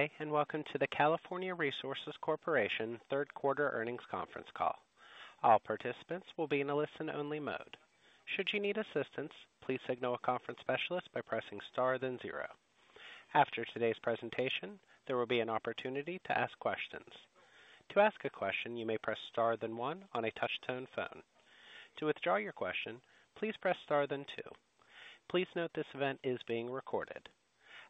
Good day, and welcome to the California Resources Corporation third quarter earnings conference call. All participants will be in a listen-only mode. Should you need assistance, please signal a conference specialist by pressing Star then zero. After today's presentation, there will be an opportunity to ask questions. To ask a question, you may press Star then one on a touch-tone phone. To withdraw your question, please press Star then two. Please note this event is being recorded.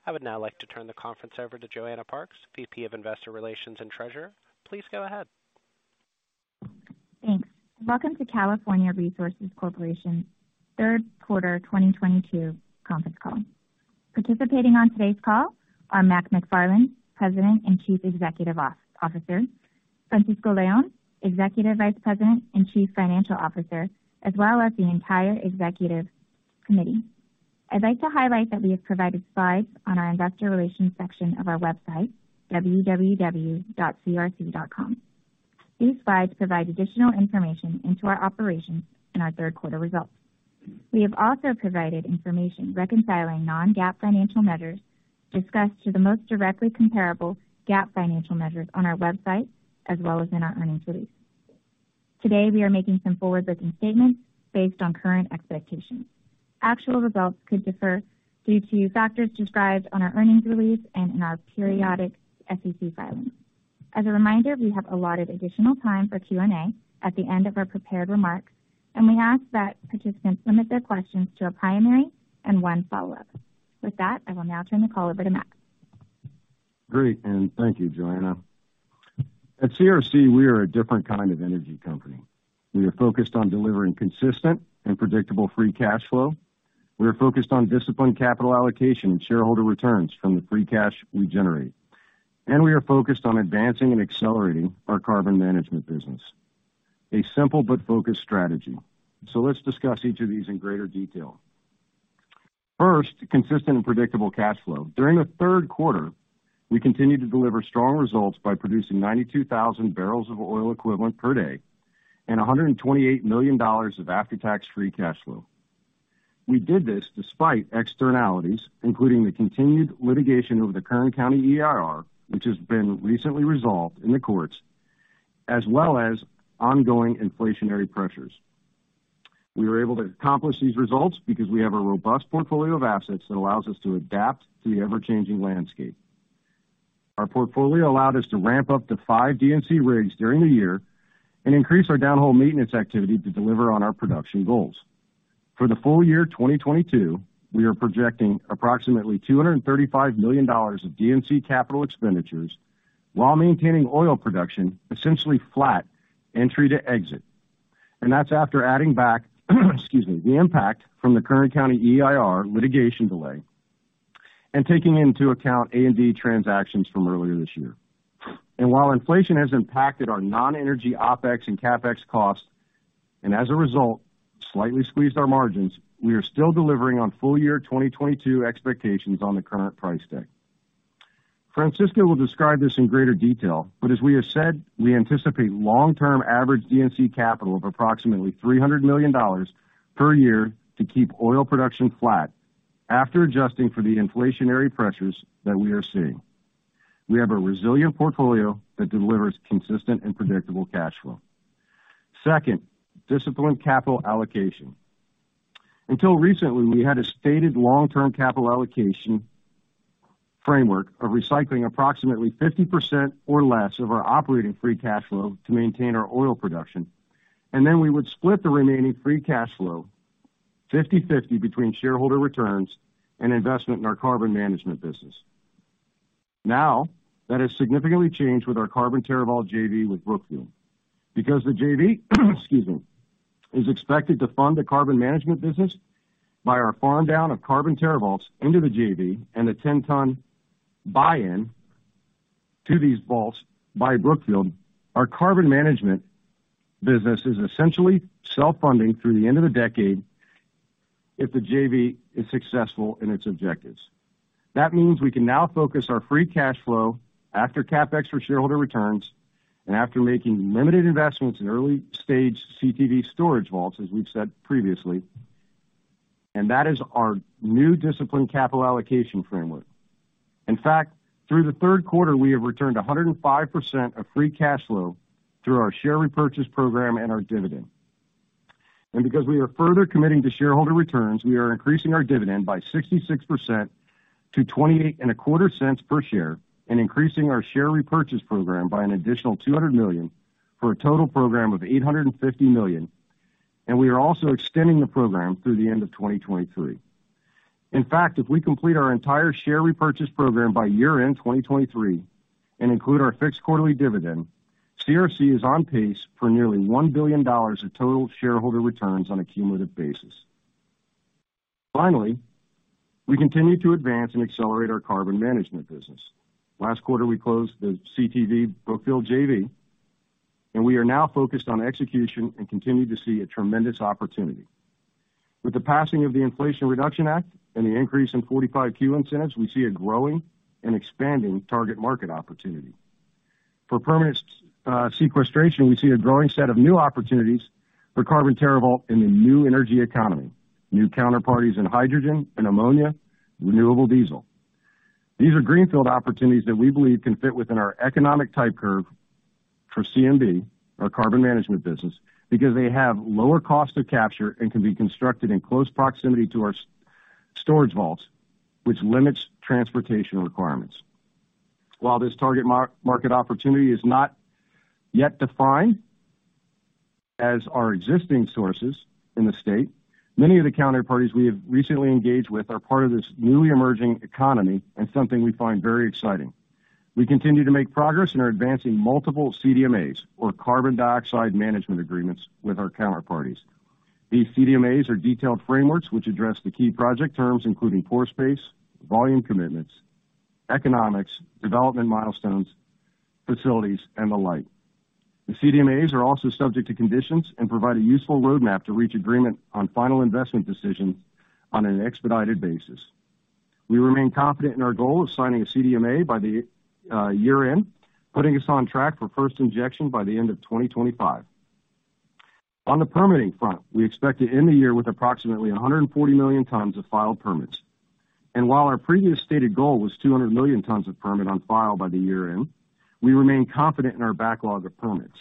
I would now like to turn the conference over to Joanna Park, VP of Investor Relations and Treasurer. Please go ahead. Thanks. Welcome to California Resources Corporation third quarter 2022 conference call. Participating on today's call are Mark McFarland, President and Chief Executive Officer, Francisco Leon, Executive Vice President and Chief Financial Officer, as well as the entire executive committee. I'd like to highlight that we have provided slides on our investor relations section of our website, www.crc.com. These slides provide additional information into our operations and our third quarter results. We have also provided information reconciling non-GAAP financial measures discussed to the most directly comparable GAAP financial measures on our website as well as in our earnings release. Today, we are making some forward-looking statements based on current expectations. Actual results could differ due to factors described on our earnings release and in our periodic SEC filings. As a reminder, we have allotted additional time for Q&A at the end of our prepared remarks, and we ask that participants limit their questions to a primary and one follow-up. With that, I will now turn the call over to Mark. Great, thank you, Joanna. At CRC, we are a different kind of energy company. We are focused on delivering consistent and predictable free cash flow. We are focused on disciplined capital allocation and shareholder returns from the free cash we generate. We are focused on advancing and accelerating our carbon management business. A simple but focused strategy. Let's discuss each of these in greater detail. First, consistent and predictable cash flow. During the third quarter, we continued to deliver strong results by producing 92,000 barrels of oil equivalent per day and $128 million of after-tax free cash flow. We did this despite externalities, including the continued litigation over the Kern County EIR, which has been recently resolved in the courts, as well as ongoing inflationary pressures. We were able to accomplish these results because we have a robust portfolio of assets that allows us to adapt to the ever-changing landscape. Our portfolio allowed us to ramp up to five D&C rigs during the year and increase our downhole maintenance activity to deliver on our production goals. For the full year 2022, we are projecting approximately $235 million of D&C capital expenditures while maintaining oil production essentially flat entry to exit. That's after adding back, excuse me, the impact from the Kern County EIR litigation delay and taking into account A&D transactions from earlier this year. While inflation has impacted our non-energy OpEx and CapEx costs, and as a result, slightly squeezed our margins, we are still delivering on full year 2022 expectations on the current price deck. Francisco will describe this in greater detail, but as we have said, we anticipate long-term average D&C capital of approximately $300 million per year to keep oil production flat after adjusting for the inflationary pressures that we are seeing. We have a resilient portfolio that delivers consistent and predictable cash flow. Second, disciplined capital allocation. Until recently, we had a stated long-term capital allocation framework of recycling approximately 50% or less of our operating free cash flow to maintain our oil production. We would split the remaining free cash flow 50/50 between shareholder returns and investment in our carbon management business. Now, that has significantly changed with our Carbon TerraVault JV with Brookfield. Because the JV, excuse me, is expected to fund the carbon management business by our farm down of Carbon TerraVaults into the JV and a 10-ton buy-in to these vaults by Brookfield, our carbon management business is essentially self-funding through the end of the decade if the JV is successful in its objectives. That means we can now focus our free cash flow after CapEx for shareholder returns and after making limited investments in early stage CTV storage vaults, as we've said previously, and that is our new disciplined capital allocation framework. In fact, through the third quarter, we have returned 105% of free cash flow through our share repurchase program and our dividend. Because we are further committing to shareholder returns, we are increasing our dividend by 66% to $0.2825 per share and increasing our share repurchase program by an additional $200 million for a total program of $850 million. We are also extending the program through the end of 2023. In fact, if we complete our entire share repurchase program by year-end 2023 and include our fixed quarterly dividend, CRC is on pace for nearly $1 billion of total shareholder returns on a cumulative basis. Finally, we continue to advance and accelerate our carbon management business. Last quarter, we closed the CTV Brookfield JV, and we are now focused on execution and continue to see a tremendous opportunity. With the passing of the Inflation Reduction Act and the increase in 45Q incentives, we see a growing and expanding target market opportunity. For permanent sequestration, we see a growing set of new opportunities for Carbon TerraVault in the new energy economy, new counterparties in hydrogen and ammonia, renewable diesel. These are greenfield opportunities that we believe can fit within our economic type curve for CMB, our carbon management business, because they have lower cost of capture and can be constructed in close proximity to our storage vaults, which limits transportation requirements. While this target market opportunity is not yet defined as our existing sources in the state, many of the counterparties we have recently engaged with are part of this newly emerging economy and something we find very exciting. We continue to make progress and are advancing multiple CDMAs or carbon dioxide management agreements with our counterparties. These CDMAs are detailed frameworks which address the key project terms, including pore space, volume commitments, economics, development milestones, facilities, and the like. The CDMAs are also subject to conditions and provide a useful roadmap to reach agreement on final investment decisions on an expedited basis. We remain confident in our goal of signing a CDMA by the year-end, putting us on track for first injection by the end of 2025. On the permitting front, we expect to end the year with approximately 140 million tons of filed permits. While our previous stated goal was 200 million tons of permits on file by the year-end, we remain confident in our backlog of permits.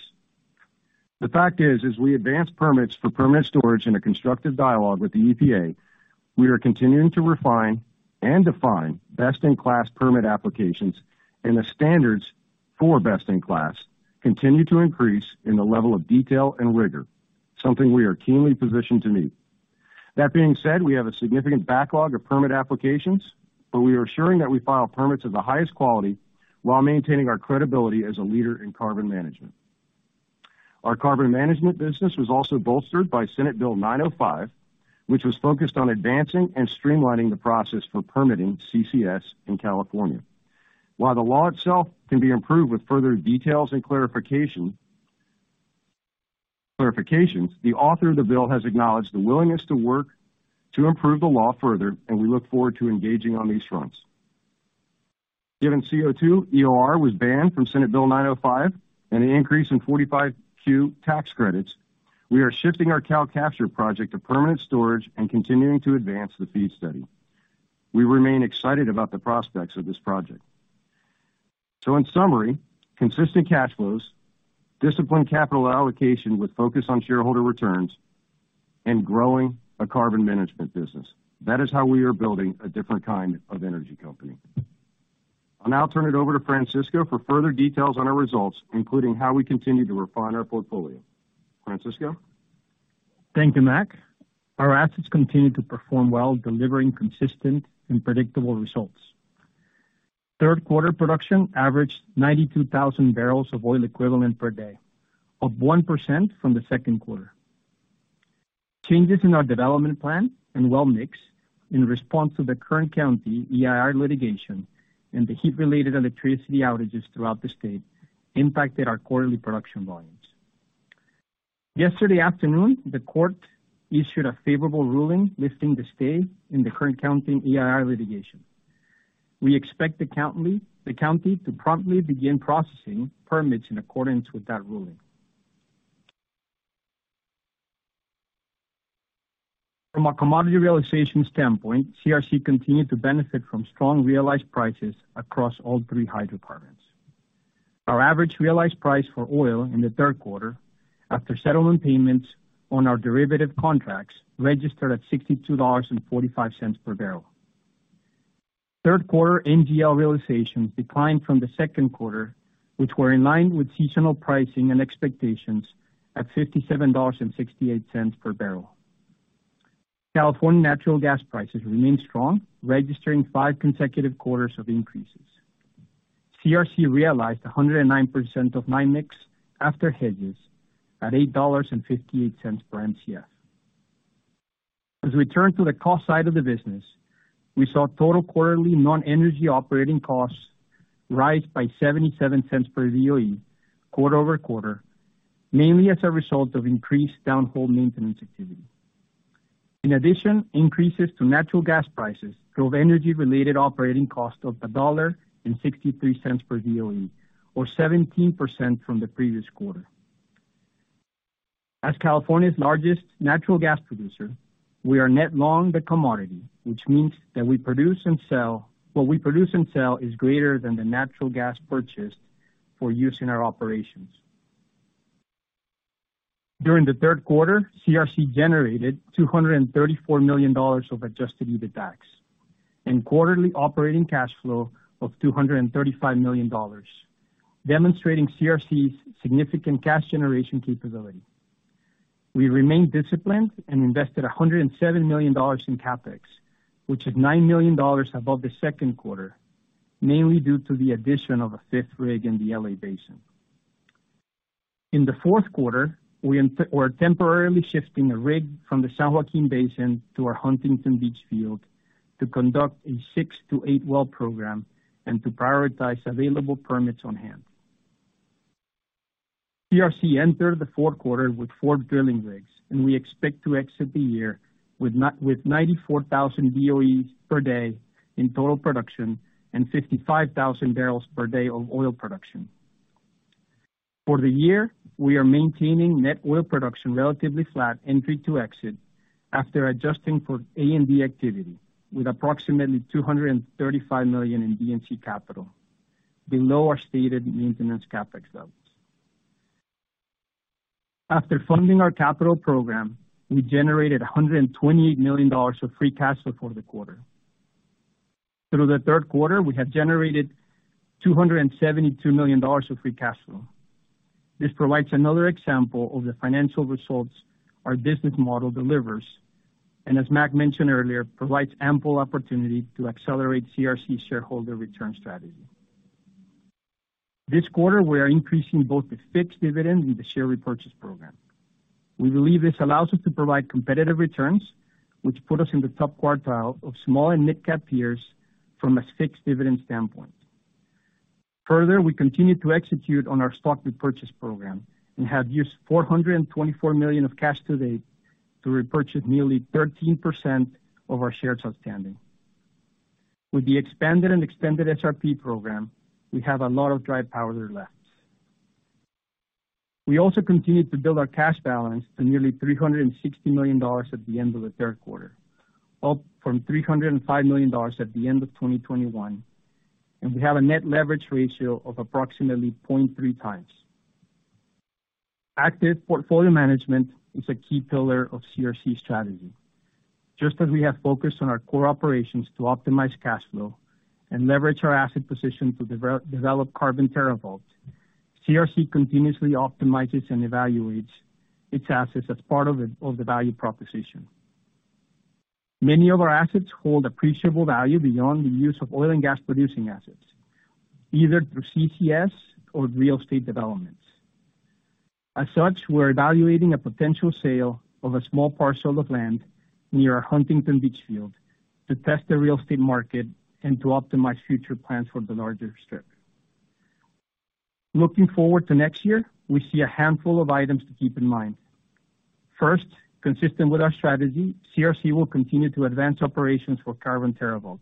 The fact is, as we advance permits for permanent storage in a constructive dialogue with the EPA, we are continuing to refine and define best-in-class permit applications, and the standards for best-in-class continue to increase in the level of detail and rigor, something we are keenly positioned to meet. That being said, we have a significant backlog of permit applications, but we are ensuring that we file permits of the highest quality while maintaining our credibility as a leader in carbon management. Our carbon management business was also bolstered by Senate Bill 905, which was focused on advancing and streamlining the process for permitting CCS in California. While the law itself can be improved with further details and clarifications, the author of the bill has acknowledged the willingness to work to improve the law further, and we look forward to engaging on these fronts. Given CO₂ EOR was banned from Senate Bill 905 and an increase in 45Q tax credits, we are shifting our CalCapture project to permanent storage and continuing to advance the FEED study. We remain excited about the prospects of this project. In summary, consistent cash flows, disciplined capital allocation with focus on shareholder returns, and growing a carbon management business. That is how we are building a different kind of energy company. I'll now turn it over to Francisco for further details on our results, including how we continue to refine our portfolio. Francisco? Thank you, Mac. Our assets continued to perform well, delivering consistent and predictable results. Third quarter production averaged 92,000 barrels of oil equivalent per day, up 1% from the second quarter. Changes in our development plan and well mix in response to the Kern County EIR litigation and the heat-related electricity outages throughout the state impacted our quarterly production volumes. Yesterday afternoon, the court issued a favorable ruling lifting the stay in the Kern County EIR litigation. We expect the county to promptly begin processing permits in accordance with that ruling. From a commodity realization standpoint, CRC continued to benefit from strong realized prices across all three hydrocarbons. Our average realized price for oil in the third quarter after settlement payments on our derivative contracts registered at $62.45 per barrel. Third quarter NGL realizations declined from the second quarter, which were in line with seasonal pricing and expectations at $57.68 per barrel. California natural gas prices remained strong, registering 5 consecutive quarters of increases. CRC realized 109% of NYMEX after hedges at $8.58 per Mcf. As we turn to the cost side of the business, we saw total quarterly non-energy operating costs rise by $0.77 per BOE quarter-over-quarter, mainly as a result of increased downhole maintenance activity. In addition, increases to natural gas prices drove energy-related operating costs of $1.63 per BOE, or 17% from the previous quarter. As California's largest natural gas producer, we are net long the commodity, which means that we produce and sell, what we produce and sell is greater than the natural gas purchased for use in our operations. During the third quarter, CRC generated $234 million of adjusted EBITDAX and quarterly operating cash flow of $235 million, demonstrating CRC's significant cash generation capability. We remained disciplined and invested $107 million in CapEx, which is $9 million above the second quarter, mainly due to the addition of a fifth rig in the LA Basin. In the fourth quarter, we're temporarily shifting a rig from the San Joaquin Basin to our Huntington Beach field to conduct a 6-8 well program and to prioritize available permits on hand. CRC entered the fourth quarter with four drilling rigs, and we expect to exit the year with nine, with 94,000 BOEs per day in total production and 55,000 barrels per day of oil production. For the year, we are maintaining net oil production relatively flat, entry to exit after adjusting for A&D activity, with approximately $235 million in D&C capital below our stated maintenance CapEx levels. After funding our capital program, we generated $128 million of free cash flow for the quarter. Through the third quarter, we have generated $272 million of free cash flow. This provides another example of the financial results our business model delivers, and as Mac mentioned earlier, provides ample opportunity to accelerate CRC shareholder return strategy. This quarter, we are increasing both the fixed dividend and the share repurchase program. We believe this allows us to provide competitive returns, which put us in the top quartile of small and mid-cap peers from a fixed dividend standpoint. Further, we continue to execute on our stock repurchase program and have used $424 million of cash to date to repurchase nearly 13% of our shares outstanding. With the expanded and extended SRP program, we have a lot of dry powder there left. We also continued to build our cash balance to nearly $360 million at the end of the third quarter, up from $305 million at the end of 2021, and we have a net leverage ratio of approximately 0.3 times. Active portfolio management is a key pillar of CRC strategy. Just as we have focused on our core operations to optimize cash flow and leverage our asset position to develop Carbon TerraVault, CRC continuously optimizes and evaluates its assets as part of the value proposition. Many of our assets hold appreciable value beyond the use of oil and gas producing assets, either through CCS or real estate developments. As such, we're evaluating a potential sale of a small parcel of land near our Huntington Beach field to test the real estate market and to optimize future plans for the larger strip. Looking forward to next year, we see a handful of items to keep in mind. First, consistent with our strategy, CRC will continue to advance operations for Carbon TerraVault.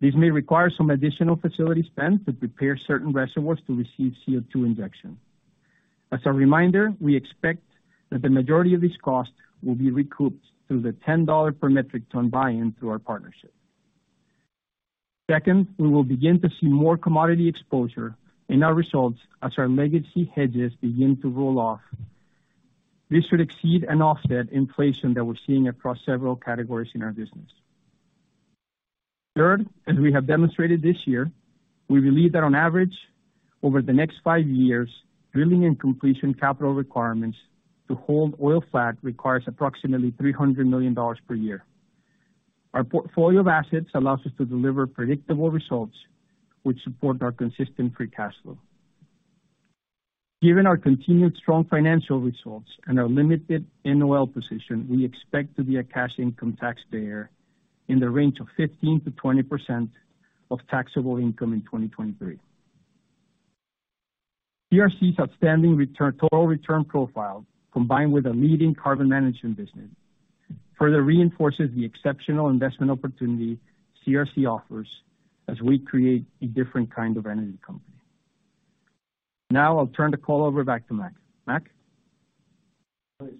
This may require some additional facility spend to prepare certain reservoirs to receive CO2 injection. As a reminder, we expect that the majority of this cost will be recouped through the $10 per metric ton buy-in through our partnership. Second, we will begin to see more commodity exposure in our results as our legacy hedges begin to roll off. This should exceed and offset inflation that we're seeing across several categories in our business. Third, as we have demonstrated this year, we believe that on average, over the next five years, drilling and completion capital requirements to hold oil flat requires approximately $300 million per year. Our portfolio of assets allows us to deliver predictable results which support our consistent free cash flow. Given our continued strong financial results and our limited NOL position, we expect to be a cash income taxpayer in the range of 15%-20% of taxable income in 2023. CRC's outstanding return, total return profile, combined with a leading carbon management business, further reinforces the exceptional investment opportunity CRC offers as we create a different kind of energy company. Now I'll turn the call over back to Mac. Mac? Sorry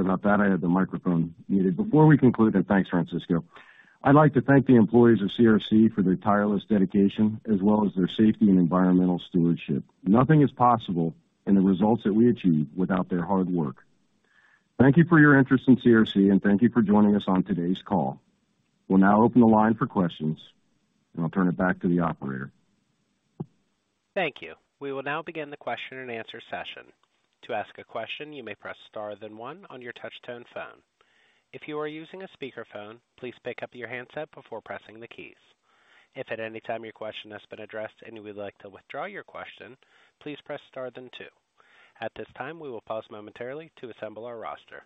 about that. I had the microphone muted. Before we conclude, and thanks, Francisco. I'd like to thank the employees of CRC for their tireless dedication as well as their safety and environmental stewardship. Nothing is possible in the results that we achieve without their hard work. Thank you for your interest in CRC, and thank you for joining us on today's call. We'll now open the line for questions, and I'll turn it back to the operator. Thank you. We will now begin the question and answer session. To ask a question, you may press star then one on your touch tone phone. If you are using a speaker phone, please pick up your handset before pressing the keys. If at any time your question has been addressed and you would like to withdraw your question, please press star then two. At this time, we will pause momentarily to assemble our roster.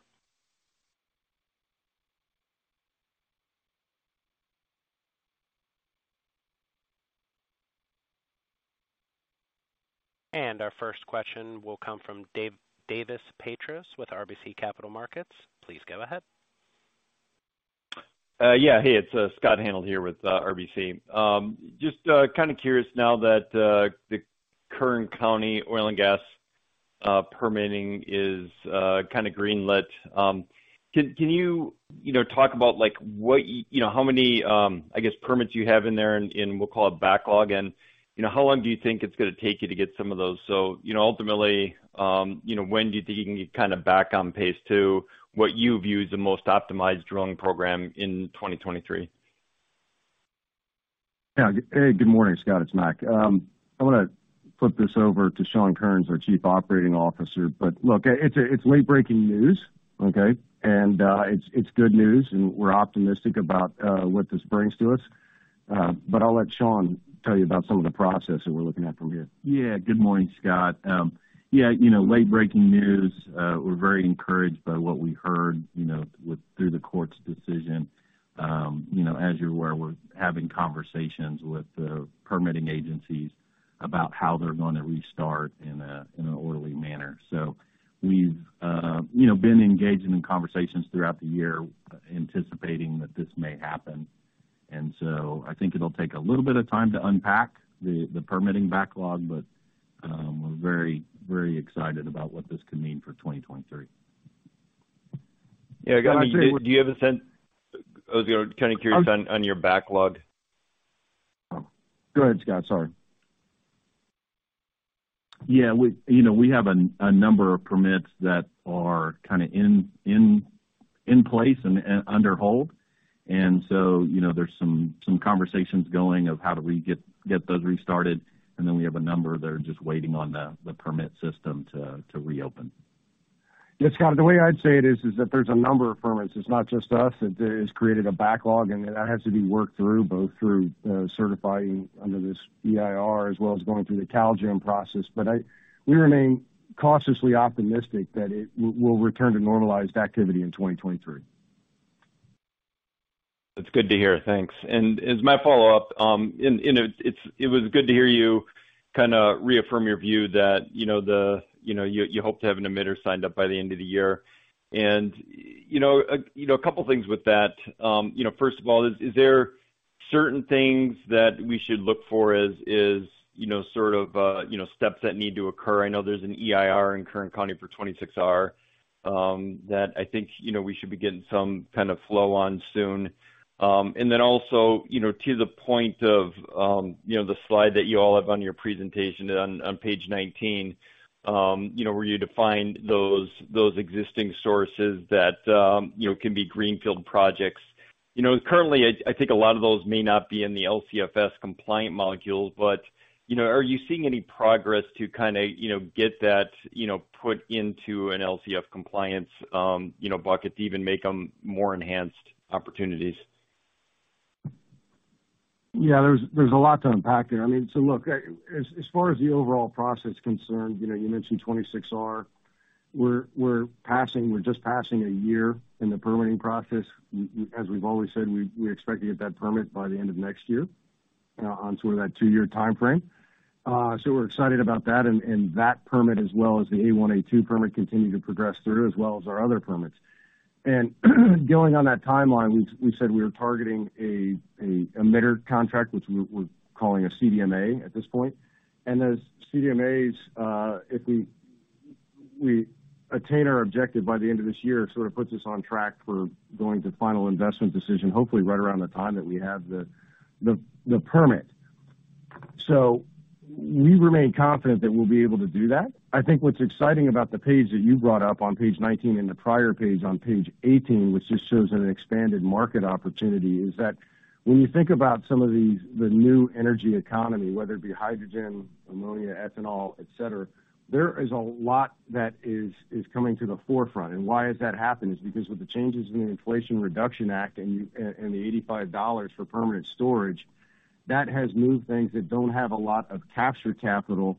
Our first question will come from Scott Hanold with RBC Capital Markets. Please go ahead. Hey, it's Scott Hanold here with RBC. Just kind of curious now that the Kern County oil and gas permitting is kinda greenlit. Can you know, talk about like what you know, how many I guess permits you have in there in we'll call it backlog and how long do you think it's gonna take you to get some of those? ultimately when do you think you can get kind of back on pace to what you view is the most optimized drilling program in 2023? Yeah. Hey, good morning, Scott. It's Mac. I wanna flip this over to Shawn Kerns, our Chief Operating Officer. Look, it's late-breaking news, okay? It's good news, and we're optimistic about what this brings to us. I'll let Shawn tell you about some of the process that we're looking at from here. Yeah. Good morning, Scott. yeah late-breaking news. We're very encouraged by what we heard through the court's decision. You know, as you're aware, we're having conversations with the permitting agencies about how they're gonna restart in an orderly manner. we've been engaging in conversations throughout the year anticipating that this may happen. I think it'll take a little bit of time to unpack the permitting backlog, but we're very, very excited about what this could mean for 2023. Yeah, do you have a sense? I was kind of curious on your backlog. Go ahead, Scott. Sorry. Yeah. You know, we have a number of permits that are kinda in place and on hold. You know, there's some conversations going on about how do we get those restarted, and then we have a number that are just waiting on the permit system to reopen. Yeah, Scott, the way I'd say it is that there's a number of permits. It's not just us. It's created a backlog, and that has to be worked through, both through certifying under this EIR as well as going through the CalGEM process. We remain cautiously optimistic that it will return to normalized activity in 2023. That's good to hear. Thanks. As my follow-up, it was good to hear you kinda reaffirm your view that you hope to have an emitter signed up by the end of the year. You know, a couple things with that. First of all, is there certain things that we should look for as sort of, steps that need to occur? I know there's an EIR in Kern County for 26R, that I think we should be getting some kind of flow on soon. also to the point of the slide that you all have on your presentation on page 19 where you defined those existing sources that can be greenfield projects. You know, currently I think a lot of those may not be in the LCFS compliant module, but are you seeing any progress to kinda get that put into an LCFS compliance bucket to even make them more enhanced opportunities? Yeah, there's a lot to unpack there. I mean, so look, as far as the overall process is concerned you mentioned 26R. We're just passing a year in the permitting process. As we've always said, we expect to get that permit by the end of next year, on sort of that two-year timeframe. So we're excited about that. That permit as well as the A1/A2 permit continue to progress through as well as our other permits. Going on that timeline, we said we were targeting a emitter contract, which we're calling a CDMA at this point. Those CDMAs, if we attain our objective by the end of this year, sort of puts us on track for going to final investment decision, hopefully right around the time that we have the permit. We remain confident that we'll be able to do that. I think what's exciting about the page that you brought up on page 19 and the prior page on page 18, which just shows an expanded market opportunity, is that when you think about some of these, the new energy economy, whether it be hydrogen, ammonia, ethanol, et cetera, there is a lot that is coming to the forefront. Why has that happened? It's because with the changes in the Inflation Reduction Act and the $85 for permanent storage, that has moved things that don't have a lot of captured capital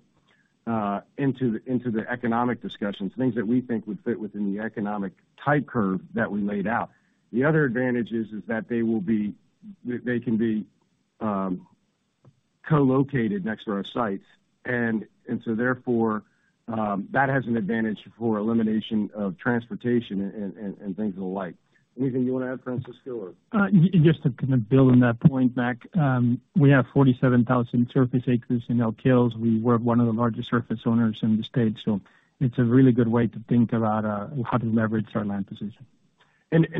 into the economic discussions, things that we think would fit within the economic type curve that we laid out. The other advantage is that they can be co-located next to our sites. Therefore, that has an advantage for elimination of transportation and things of the like. Anything you wanna add, Francisco, or? Just to kinda build on that point, Mack. We have 47,000 surface acres in Elk Hills. We're one of the largest surface owners in the state, so it's a really good way to think about how to leverage our land position.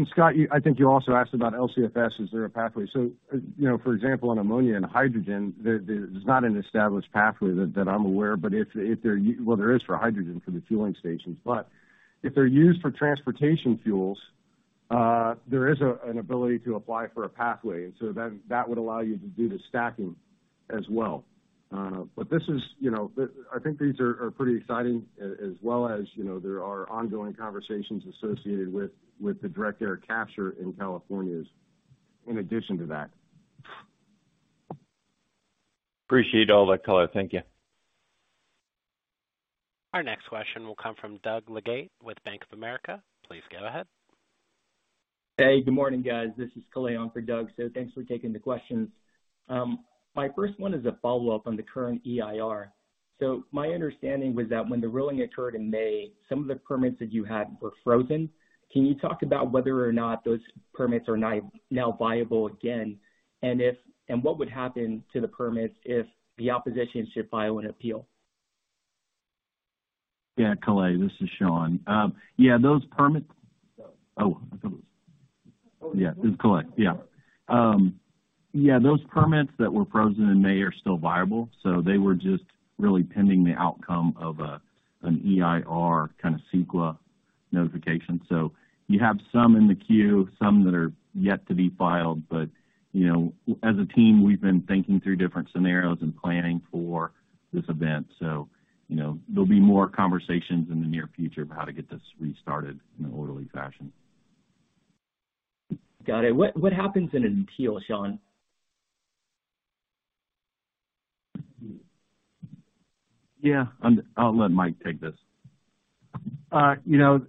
Scott, I think you also asked about LCFS. Is there a pathway? You know, for example, on ammonia and hydrogen, there's not an established pathway that I'm aware. Well, there is for hydrogen for the fueling stations. If they're used for transportation fuels, there is an ability to apply for a pathway, and that would allow you to do the stacking as well. I think these are pretty exciting as well as there are ongoing conversations associated with the direct air capture in California in addition to that. Appreciate all that color. Thank you. Our next question will come from Doug Leggate with Bank of America. Please go ahead. Hey, good morning, guys. This is Kalei on for Doug, so thanks for taking the questions. My first one is a follow-up on the current EIR. My understanding was that when the ruling occurred in May, some of the permits that you had were frozen. Can you talk about whether or not those permits are now viable again, and what would happen to the permits if the opposition should file an appeal? Yeah, Kalei, this is Sean. Yeah, those permits. Oh. Yeah, it was Kalei. Yeah, those permits that were frozen in May are still viable, so they were just really pending the outcome of an EIR kind of CEQA notification. You have some in the queue, some that are yet to be filed. You know, as a team, we've been thinking through different scenarios and planning for this event. You know, there'll be more conversations in the near future of how to get this restarted in an orderly fashion. Got it. What happens in an appeal, Shawn? Yeah, I'll let Mike take this. You know,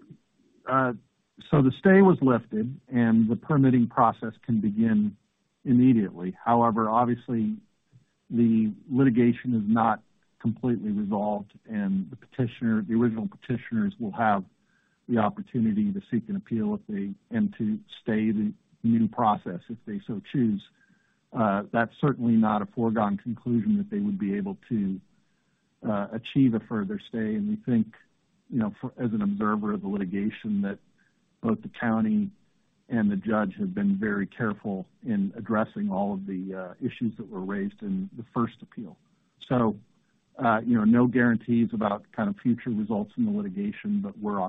the stay was lifted, and the permitting process can begin immediately. However, obviously, the litigation is not completely resolved, and the petitioner, the original petitioners will have the opportunity to seek an appeal if they and to stay the new process if they so choose. That's certainly not a foregone conclusion that they would be able to achieve a further stay. We think for as an observer of the litigation, that both the county and the judge have been very careful in addressing all of the issues that were raised in the first appeal. You know, no guarantees about kind of future results in the litigation, but we're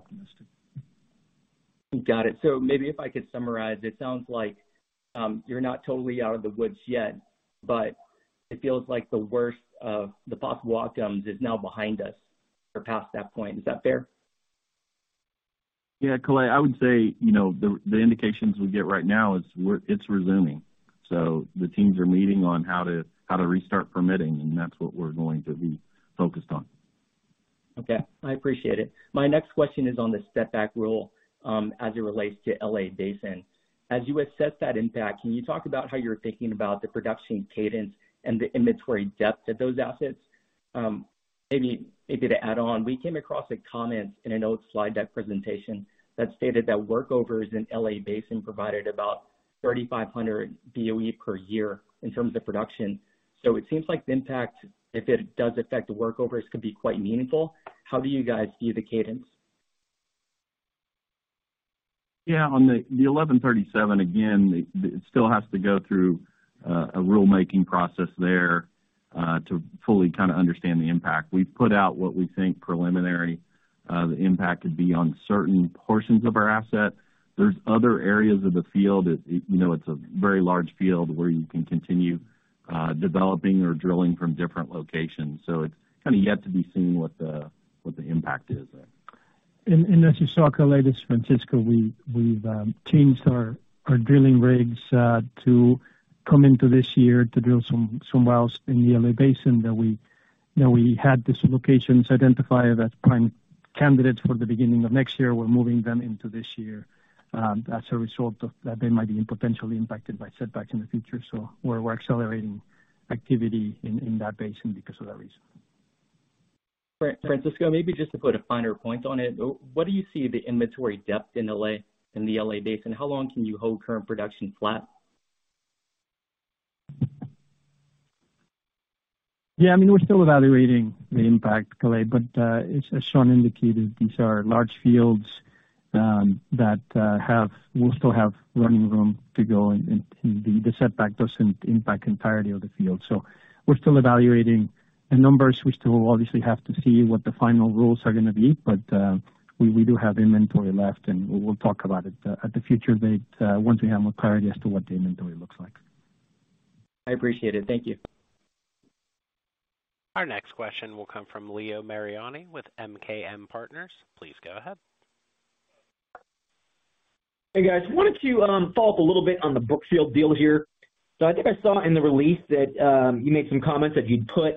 optimistic. Got it. Maybe if I could summarize, it sounds like, you're not totally out of the woods yet, but it feels like the worst of the possible outcomes is now behind us or past that point. Is that fair? Yeah, Kalei. I would say the indications we get right now is it's resuming. The teams are meeting on how to restart permitting, and that's what we're going to be focused on. Okay, I appreciate it. My next question is on the setback rule as it relates to L.A. Basin. As you assess that impact, can you talk about how you're thinking about the production cadence and the inventory depth at those assets? Maybe to add on, we came across a comment in an old slide deck presentation that stated that workovers in L.A. Basin provided about 3,500 BOE per year in terms of production. So it seems like the impact, if it does affect the workovers, could be quite meaningful. How do you guys view the cadence? Yeah. On the Senate Bill 1137, again, it still has to go through a rulemaking process there to fully kind of understand the impact. We've put out what we think preliminary the impact would be on certain portions of our asset. There's other areas of the field that it's a very large field where you can continue developing or drilling from different locations. So it's kinda yet to be seen what the impact is there. As you saw, Kalei, this is Francisco, we've changed our drilling rigs to come into this year to drill some wells in the LA Basin that we we had these locations identify as prime candidates for the beginning of next year. We're moving them into this year, as a result of that, they might be potentially impacted by setbacks in the future. We're accelerating activity in that basin because of that reason. Francisco, maybe just to put a finer point on it, what do you see the inventory depth in L.A., in the L.A. Basin? How long can you hold current production flat? I mean, we're still evaluating the impact, Kale, but it's as Shawn indicated, these are large fields that we still have running room to go, and the setback doesn't impact the entirety of the field. We're still evaluating the numbers. We still obviously have to see what the final rules are gonna be, but we do have inventory left, and we'll talk about it at a future date once we have more clarity as to what the inventory looks like. I appreciate it. Thank you. Our next question will come from Leo Mariani with MKM Partners. Please go ahead. Hey, guys. Wanted to follow up a little bit on the Brookfield deal here. I think I saw in the release that you made some comments that you'd put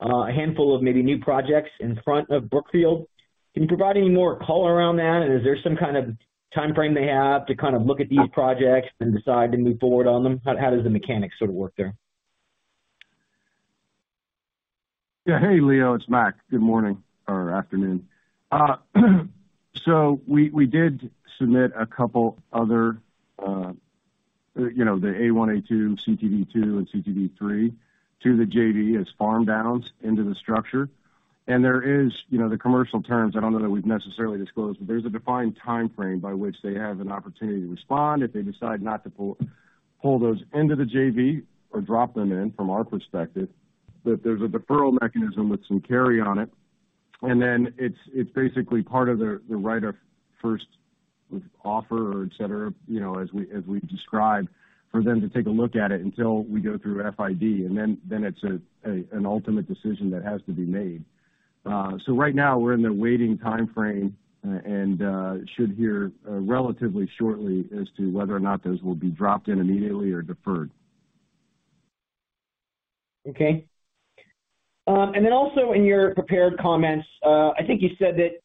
a handful of maybe new projects in front of Brookfield. Can you provide any more color around that? Is there some kind of timeframe they have to kind of look at these projects and decide to move forward on them? How does the mechanics sort of work there? Yeah. Hey, Leo, it's Mac. Good morning or afternoon. We did submit a couple other the A-one, A-two, CTV two, and CTV three to the JV as farm downs into the structure. There is the commercial terms. I don't know that we've necessarily disclosed, but there's a defined timeframe by which they have an opportunity to respond if they decide not to pull those into the JV or drop them in from our perspective. There's a deferral mechanism with some carry on it. Then it's basically part of the right of first offer or et cetera as we described, for them to take a look at it until we go through FID, and then it's an ultimate decision that has to be made. Right now we're in the waiting timeframe, and should hear relatively shortly as to whether or not those will be dropped in immediately or deferred. Okay. In your prepared comments, I think you said that it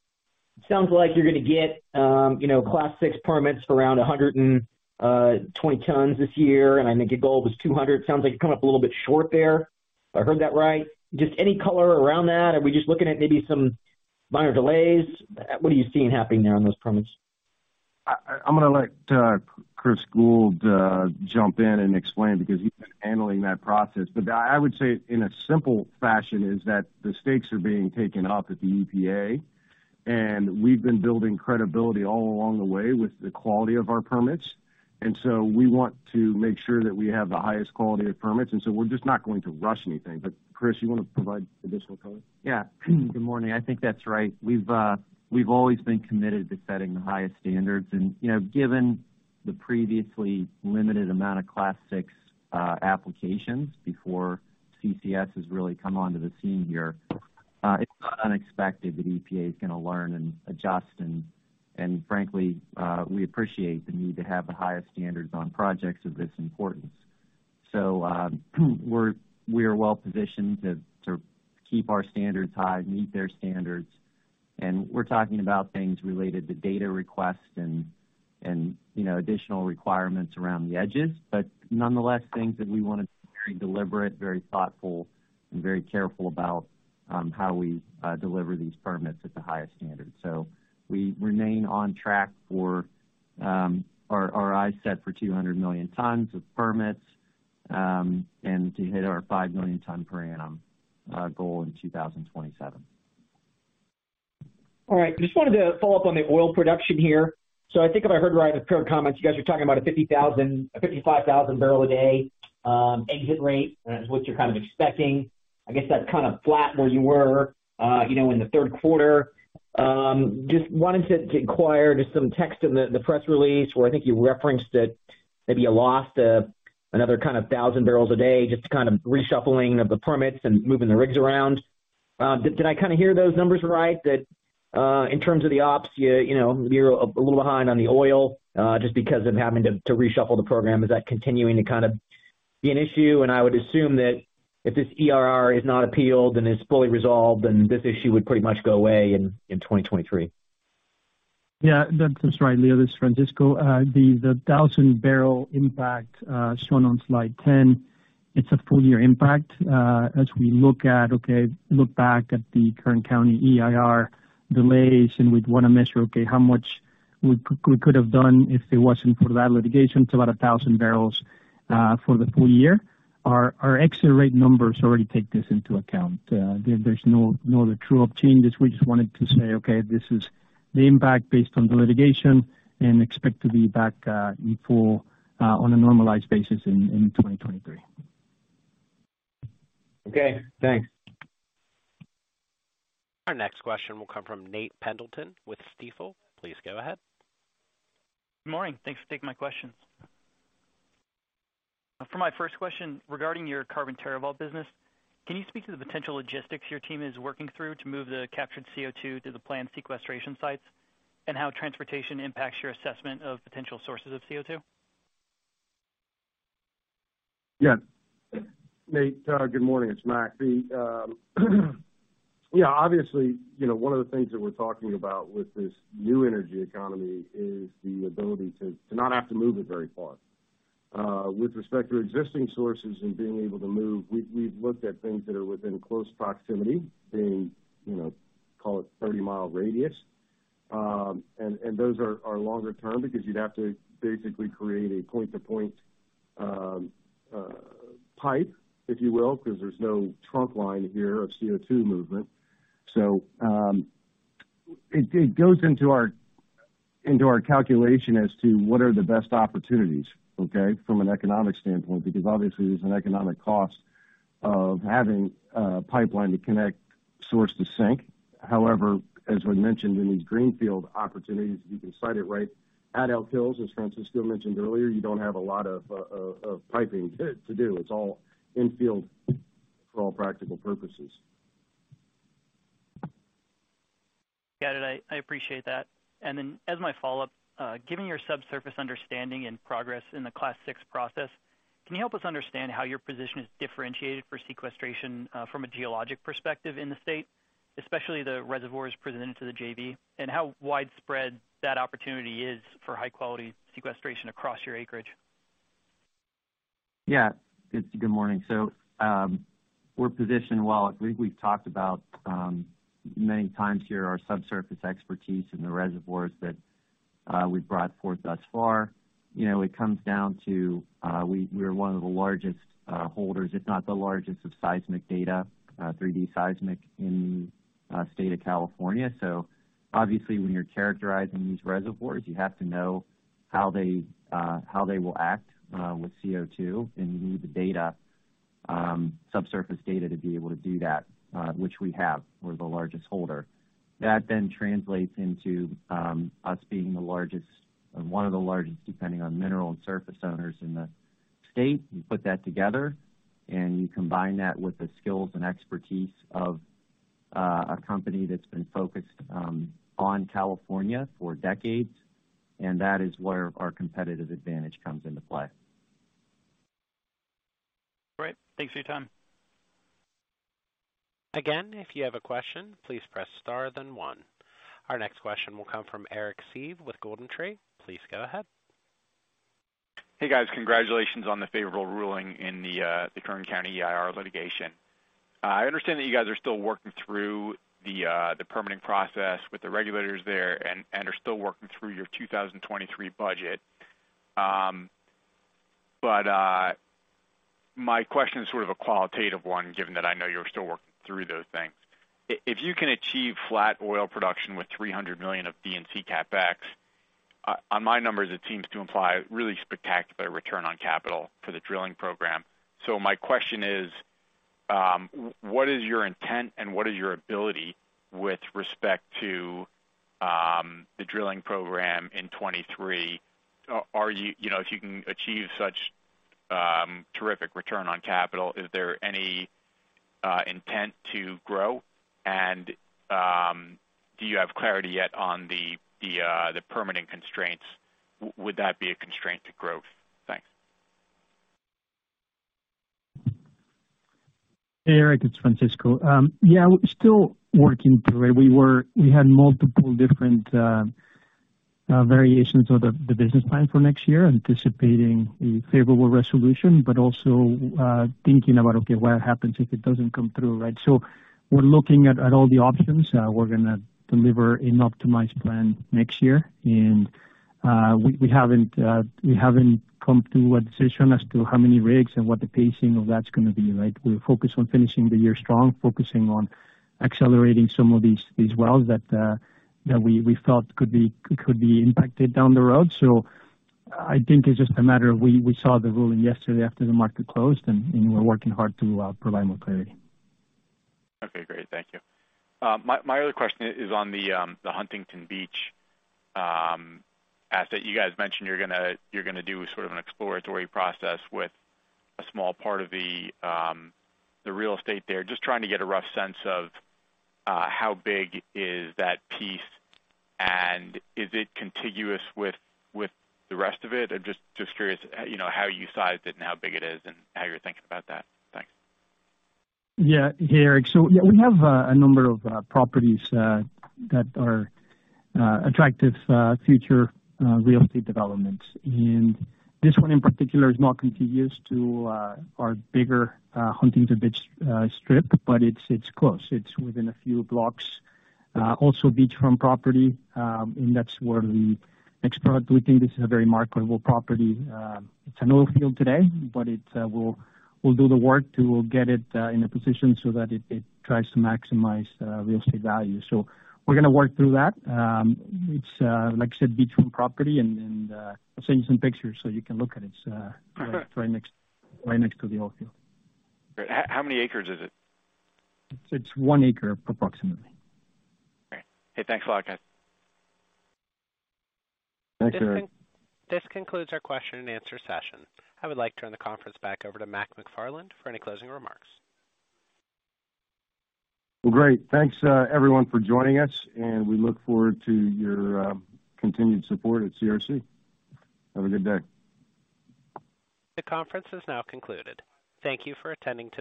sounds like you're gonna get Class VI permits for around 120 tons this year, and I think your goal was 200. Sounds like you're coming up a little bit short there, if I heard that right. Just any color around that? Are we just looking at maybe some minor delays? What are you seeing happening there on those permits? I'm gonna let Chris Gould jump in and explain because he's been handling that process. I would say in a simple fashion is that the stakes are being taken up at the EPA, and we've been building credibility all along the way with the quality of our permits. We want to make sure that we have the highest quality of permits, and so we're just not going to rush anything. Chris, you wanna provide additional color? Yeah. Good morning. I think that's right. We've always been committed to setting the highest standards. You know, given the previously limited amount of Class VI applications before CCS has really come onto the scene here, it's not unexpected that EPA is gonna learn and adjust, and frankly, we appreciate the need to have the highest standards on projects of this importance. We're well-positioned to keep our standards high, meet their standards. We're talking about things related to data requests and additional requirements around the edges. Nonetheless, things that we wanna be very deliberate, very thoughtful, and very careful about how we deliver these permits at the highest standard. We remain on track for our eyes set for 200 million tons of permits and to hit our 5 million ton per annum goal in 2027. All right. Just wanted to follow up on the oil production here. I think if I heard right, a pair of comments, you guys are talking about a 55,000 barrel a day exit rate as what you're kind of expecting. I guess that's kind of flat where you were in the third quarter. Just wanted to inquire, just some text in the press release where I think you referenced that maybe you lost another kind of 1,000 barrels a day just due to kind of reshuffling of the permits and moving the rigs around. Did I kinda hear those numbers right that in terms of the ops you're a little behind on the oil just because of having to reshuffle the program? Is that continuing to kind of be an issue? I would assume that if this EIR is not appealed and is fully resolved, then this issue would pretty much go away in 2023. Yeah. That's right, Leo. This is Francisco Leon. The 1,000-barrel impact shown on slide 10, it's a full-year impact. As we look back at the Kern County EIR delays, and we'd wanna measure how much we could have done if it wasn't for that litigation, it's about 1,000 barrels for the full year. Our exit rate numbers already take this into account. There's no other true-up changes. We just wanted to say this is the impact based on the litigation and expect to be back in full on a normalized basis in 2023. Okay. Thanks. Our next question will come from Nate Pendleton with Stifel. Please go ahead. Good morning. Thanks for taking my questions. For my first question, regarding your Carbon TerraVault business, can you speak to the potential logistics your team is working through to move the captured CO₂ to the planned sequestration sites, and how transportation impacts your assessment of potential sources of CO₂? Yeah. Nate, good morning. It's Max. obviously one of the things that we're talking about with this new energy economy is the ability to not have to move it very far. With respect to existing sources and being able to move, we've looked at things that are within close proximity call it 30-mile radius. Those are longer term because you'd have to basically create a point-to-point pipe, if you will, 'cause there's no trunk line here of CO2 movement. It goes into our calculation as to what are the best opportunities, okay? From an economic standpoint, because obviously there's an economic cost of having a pipeline to connect source to sink. However, as was mentioned in these greenfield opportunities, you can site it right at Elk Hills, as Francisco mentioned earlier, you don't have a lot of piping to do. It's all infield for all practical purposes. Got it. I appreciate that. Then as my follow-up, given your subsurface understanding and progress in the Class VI process, can you help us understand how your position is differentiated for sequestration from a geologic perspective in the state, especially the reservoirs presented to the JV, and how widespread that opportunity is for high-quality sequestration across your acreage? Yeah. Good morning. We're positioned well. I believe we've talked about many times here our subsurface expertise in the reservoirs that we've brought forth thus far. You know, it comes down to we're one of the largest holders, if not the largest, of seismic data, 3-D seismic in state of California. Obviously when you're characterizing these reservoirs, you have to know how they will act with CO₂, and you need the data, subsurface data to be able to do that, which we have. We're the largest holder. That then translates into us being the largest or one of the largest, depending on mineral and surface owners in the state. You put that together, and you combine that with the skills and expertise of a company that's been focused on California for decades, and that is where our competitive advantage comes into play. Great. Thanks for your time. Again, if you have a question, please press star then one. Our next question will come from Eric Seeve with GoldenTree. Please go ahead. Hey, guys. Congratulations on the favorable ruling in the Kern County EIR litigation. I understand that you guys are still working through the permitting process with the regulators there and are still working through your 2023 budget. My question is sort of a qualitative one, given that I know you're still working through those things. If you can achieve flat oil production with $300 million of D&C CapEx, on my numbers, it seems to imply really spectacular return on capital for the drilling program. My question is, what is your intent and what is your ability with respect to the drilling program in 2023? Are you—you know, if you can achieve such terrific return on capital, is there any intent to grow. Do you have clarity yet on the permitting constraints? Would that be a constraint to growth? Thanks. Hey, Eric Seeve, it's Francisco Leon. Yeah, we're still working through it. We had multiple different variations of the business plan for next year, anticipating a favorable resolution, but also thinking about, okay, what happens if it doesn't come through, right? We're looking at all the options. We're gonna deliver an optimized plan next year. We haven't come to a decision as to how many rigs and what the pacing of that's gonna be, right? We're focused on finishing the year strong, focusing on accelerating some of these wells that we felt could be impacted down the road. I think it's just a matter of we saw the ruling yesterday after the market closed, and we're working hard to provide more clarity. Okay, great. Thank you. My other question is on the Huntington Beach asset. You guys mentioned you're gonna do sort of an exploratory process with a small part of the real estate there. Just trying to get a rough sense of how big is that piece, and is it contiguous with the rest of it? I'm just curious how you sized it and how big it is and how you're thinking about that. Thanks. Yeah. Hey, Eric. Yeah, we have a number of properties that are attractive future real estate developments. This one in particular is not contiguous to our bigger Huntington Beach strip, but it's close. It's within a few blocks. Also beachfront property, and that's where we expect. We think this is a very marketable property. It's an oil field today, but we'll do the work to get it in a position so that it tries to maximize real estate value. We're gonna work through that. It's like I said, beachfront property and I'll send you some pictures so you can look at it. It's right next to the oil field. Great. How many acres is it? It's one acre approximately. Great. Hey, thanks a lot, guys. Thanks, Eric. This concludes our question-and-answer session. I would like to turn the conference back over to Mark McFarland for any closing remarks. Well, great. Thanks, everyone for joining us, and we look forward to your continued support at CRC. Have a good day. The conference has now concluded. Thank you for attending today.